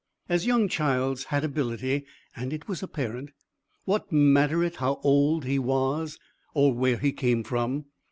As young Childs had ability, and it was apparent, what matter it how old he was or where he came from?